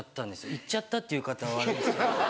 行っちゃったっていう言い方はあれですけど。